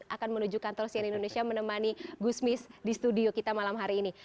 akan menuju kantor sian indonesia menemani gusmis di studio kita malam hari ini